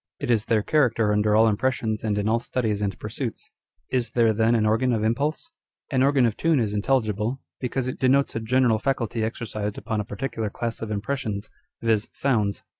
It is their character under all impressions and in all studies and pursuits. Is there then an organ of impulse ? An organ of tune is intelligible, because it denotes a general faculty exercised upon a particular class of impressions, viz., sounds.